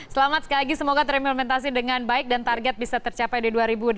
selamat sekali lagi semoga terimplementasi dengan baik dan target bisa tercapai di dua ribu delapan belas